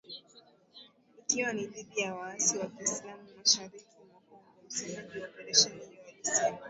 Ikiwa ni dhidi ya waasi wa kiislam mashariki mwa Kongo msemaji wa operesheni hiyo alisema.